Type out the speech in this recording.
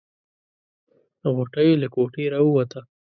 غوټۍ له کوټې راووته.